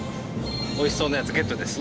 おいしそうなやつゲットです。